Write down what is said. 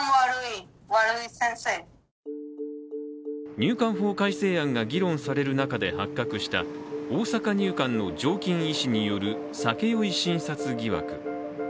入管法改正案が議論される中で発覚した大阪入管の常勤医師による酒酔い診察疑惑。